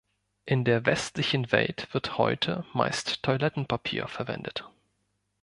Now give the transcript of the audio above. In der westlichen Welt wird heute meist Toilettenpapier verwendet.